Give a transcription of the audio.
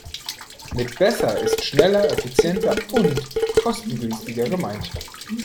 Mit besser ist schneller, effizienter und kostengünstiger gemeint.